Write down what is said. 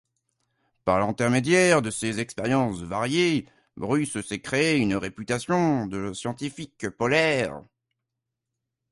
Par l'intermédiaire de ses expériences variées, Bruce s'est créé une réputation de scientifique polaire.